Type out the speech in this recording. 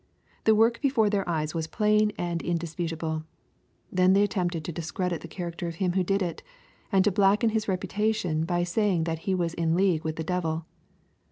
The work before their eyes was plain and indisputable. They then attempted to discredit the chaiacter of Him who did it, and to blacken His reputation by saying that he was in league with the devil.